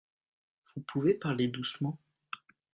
Vous pouvez parler doucement ?